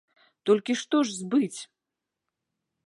Толькі што ж збыць?